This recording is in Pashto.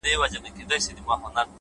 تمرکز نتیجه سرعتوي!